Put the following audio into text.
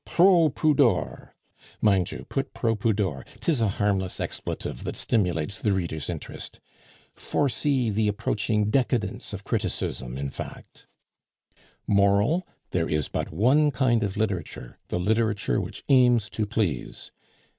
Proh pudor! (Mind you put Proh pudor! 'tis a harmless expletive that stimulates the reader's interest.) Foresee the approaching decadence of criticism, in fact. Moral 'There is but one kind of literature, the literature which aims to please.